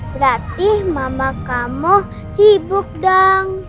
gratis mama kamu sibuk dong